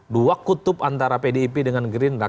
dua kutub antara pdip dengan gerindra